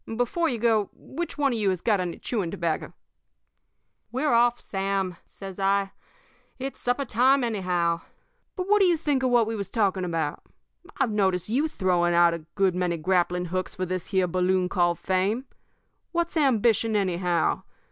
Before you go, which one of you has got any chewing tobacco?' "'We're off, Sam,' says I. 'It's supper time, anyhow. But what do you think of what we was talking about? I've noticed you throwing out a good many grappling hooks for this here balloon called fame What's ambition, anyhow?